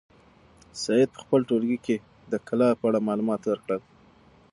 سعید په خپل ټولګي کې د کلا په اړه معلومات ورکړل.